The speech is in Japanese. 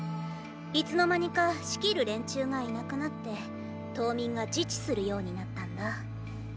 いつの間にか仕切る連中がいなくなって島民が自治するようになったんだ。